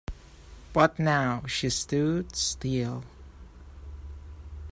But now she stood still.